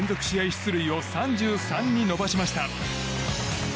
出塁を３３に伸ばしました。